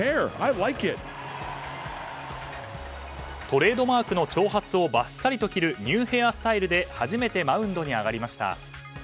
トレードマークの長髪をバッサリと切るニューヘアスタイルで初めてマウンドに上がりました。